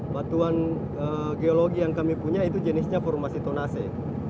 batuan geologi yang kami punya itu jenisnya formasi tonase